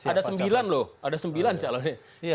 ada sembilan loh ada sembilan calonnya